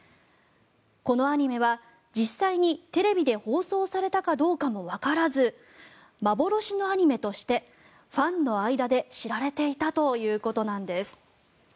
このアニメは実際にテレビで放送されたかどうかもわからず幻のアニメとしてファンの間で知られていたということなんです。